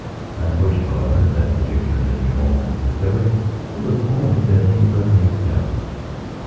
I pushed, however, that particular mystery home and discovered it was only that he was a Democrat.